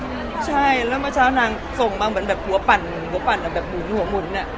ใช่แล้วเมื่อเช้านางส่งมาเหมือนแบบหัวปั่นหัวปั่นอ่ะแบบหมุนหัวหมุนอ่ะ